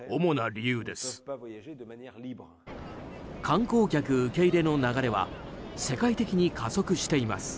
観光客受け入れの流れは世界的に加速しています。